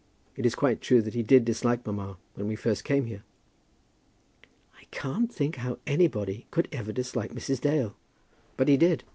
It is quite true that he did dislike mamma when we first came here." "I can't think how anybody could ever dislike Mrs. Dale." "But he did.